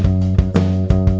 kamu kena mbak